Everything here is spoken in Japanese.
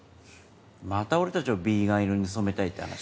また俺たちをヴィーガン色に染めたいって話？